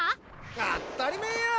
あったりめぇよ！